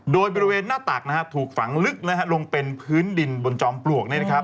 โดยบริเวณหน้าตักถูกฝังลึกลงเป็นพื้นดินบนจอมปลวก